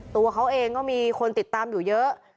ตัวเขาเองก็มีคนติดตามอยู่เยอะ